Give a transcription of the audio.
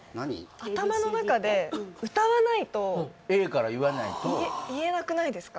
頭の中で歌わないとＡから言わないと言えなくないですか？